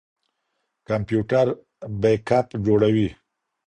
کمپيوټر بیک اپ جوړوي.